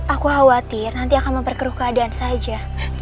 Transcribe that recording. aku khawatir nanti akan memperkeruh keadaan saja